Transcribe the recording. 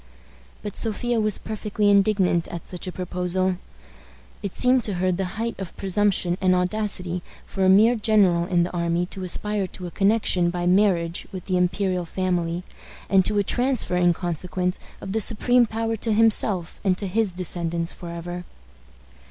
But Sophia was perfectly indignant at such a proposal. It seemed to her the height of presumption and audacity for a mere general in the army to aspire to a connection by marriage with the imperial family, and to a transfer, in consequence, of the supreme power to himself and to his descendants forever.